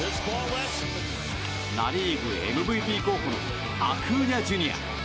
ナ・リーグＭＶＰ候補のアクーニャＪｒ．。